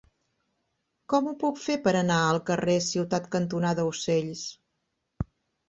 Com ho puc fer per anar al carrer Ciutat cantonada Ocells?